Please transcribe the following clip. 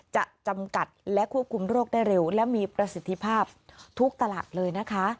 จำกัดและควบคุมโรคได้เร็วและมีประสิทธิภาพทุกตลาดเลยนะคะ